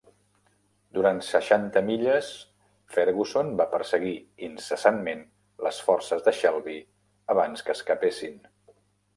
Durant seixanta milles Ferguson va perseguir incessantment les forces de Shelby abans que escapessin.